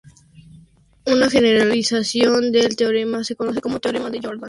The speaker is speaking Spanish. Una generalización del teorema se conoce como teorema de Jordan-Schönflies.